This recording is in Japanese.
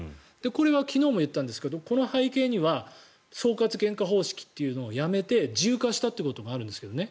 これが昨日も言ったんですけどこの背景には総括原価方式というのをやめて自由化したということもあるんですけどね。